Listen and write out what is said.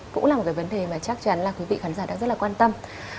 cũng là một cái vấn đề mà chắc chắn là quý vị khán giả đang rất là quan tâm